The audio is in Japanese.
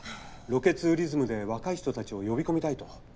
ロケツーリズムで若い人たちを呼び込みたいと。